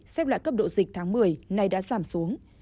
xếp lại cấp đồ dịch tháng một mươi nay đã giảm xuống